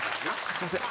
すいません。